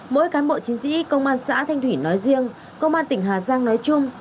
mỗi cán bộ chiến sĩ công an xã thanh thủy nói riêng công an tỉnh hà giang nói chung